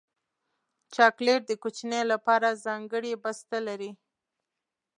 چاکلېټ د کوچنیو لپاره ځانګړی بسته لري.